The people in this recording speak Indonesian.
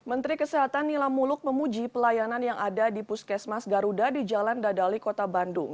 menteri kesehatan nila muluk memuji pelayanan yang ada di puskesmas garuda di jalan dadali kota bandung